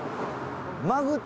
まぐ